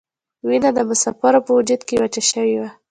وینه د مسافرو په وجود کې وچه شوې وه.